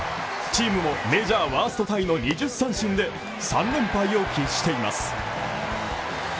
チームもメジャーワーストタイの２０三振で３連敗を喫しています。